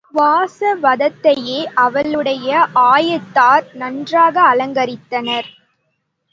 வாசவதத்தையை அவளுடைய ஆயத்தார் நன்றாக அலங்கரித்தனர்.